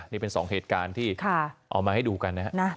นี่เป็นสองเหตุการณ์ที่เอามาให้ดูกันนะครับ